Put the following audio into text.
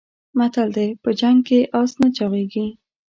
متل دی: په جنګ کې اس نه چاغېږي.